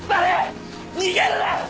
逃げるな！